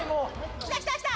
来た来た来た。